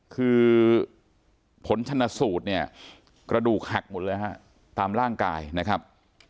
คือผลชนสูตรเนี่ยกระดูกหักหมดเลยฮะตามร่างกายนะครับ